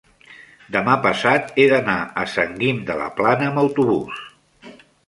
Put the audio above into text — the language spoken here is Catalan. demà passat he d'anar a Sant Guim de la Plana amb autobús.